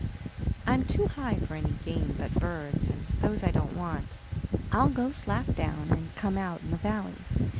"I'm too high for any game but birds, and those I don't want. I'll go slap down, and come out in the valley.